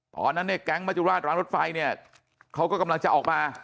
ตอนนั้นเนี่ยแก๊งมจุราชร้านรถไฟเนี่ยเขาก็กำลังจะออกมา